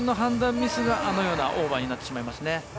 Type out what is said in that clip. ミスがあのようなオーバーになってしまいますね。